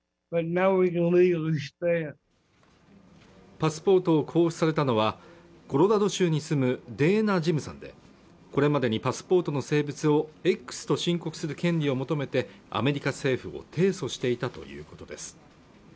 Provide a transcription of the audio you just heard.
パスポートを交付されたのはコロラド州に住むデーナ・ジムさんでこれまでにパスポートの性別をＸと申告する権利を求めてアメリカ政府を提訴していたということです